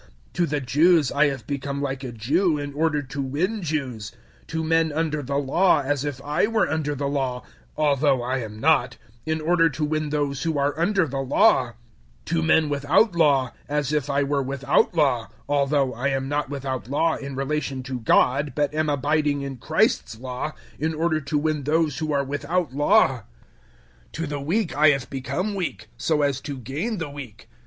009:020 To the Jews I have become like a Jew in order to win Jews; to men under the Law as if I were under the Law although I am not in order to win those who are under the Law; 009:021 to men without Law as if I were without Law although I am not without Law in relation to God but am abiding in Christ's Law in order to win those who are without Law. 009:022 To the weak I have become weak, so as to gain the weak.